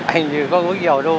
anh thì có có nhiều đâu